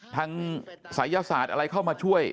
ศัยศาสตร์อะไรเข้ามาช่วย